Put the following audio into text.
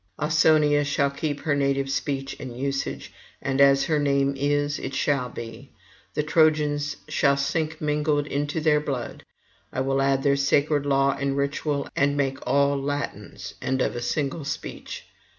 Ausonia shall keep her native speech and usage, and as her name is, it shall be. The Trojans shall sink mingling into their blood; I will add their sacred law and ritual, and make all Latins and of a single speech.